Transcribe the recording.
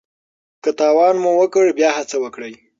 که تاوان مو وکړ بیا هڅه وکړئ.